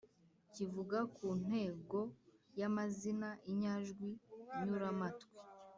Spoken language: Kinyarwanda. kivuga ku ntego y’amazina, inyajwi nyuramatwi,